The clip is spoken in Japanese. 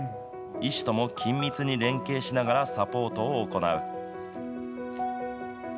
医師とも緊密に連携しながらサポートを行う。